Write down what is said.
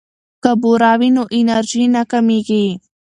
که بوره وي نو انرژي نه کمیږي.